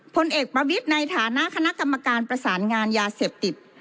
พลเอกประวิทย์ในฐานะคณะกรรมการประสานงานยาเสพติด